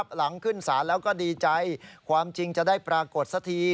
หลังขึ้นศาลแล้วก็ดีใจความจริงจะได้ปรากฏสักที